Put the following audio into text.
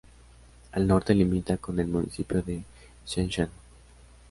Al norte limita con el municipio de Shenzhen.